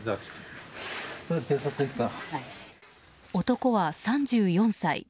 男は３４歳。